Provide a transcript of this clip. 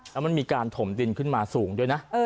แล้วมันมีการถมดินขึ้นมาสูงด้วยนะ